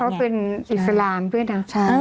แล้วเขาเป็นอิสลามเพื่อนทางชาติ